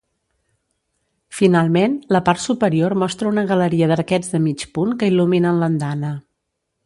Finalment, la part superior mostra una galeria d'arquets de mig punt que il·luminen l'andana.